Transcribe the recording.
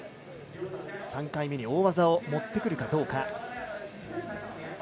３回目に大技を持ってくるか。